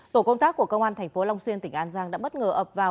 tổ công tác của công an tp long xuyên tỉnh an giang đã bất ngờ ập vào